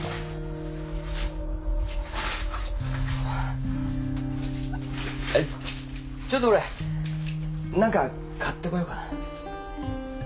あっちょっと俺何か買ってこようかな。